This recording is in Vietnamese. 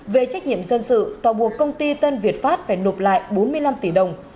về trách nhiệm dân sự tòa buộc công ty tân việt pháp phải nộp lại bốn mươi năm tỷ đồng